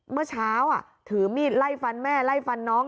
เมื่อเช้าถือมีดไล่ฟันแม่ไล่ฟันน้อง